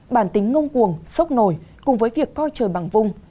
bản tính ngông cuồng sốc nổi cùng với việc coi trời bằng vung